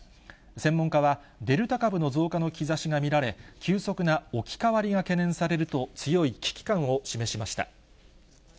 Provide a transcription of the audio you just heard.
専門家は、デルタ株の増加の兆しが見られ、急速な置き換わりが懸念されると、強い危機感を示しました。